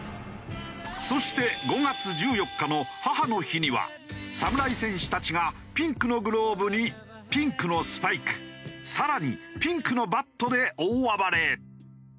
そして５月１４日の母の日には侍戦士たちがピンクのグローブにピンクのスパイク更にピンクのバットで大暴れ。